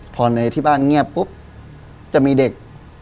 พอในที่บ้านเงียบปุ๊บจะมีเด็ก